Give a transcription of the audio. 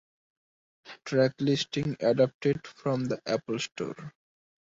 Track listing adapted from the Apple Store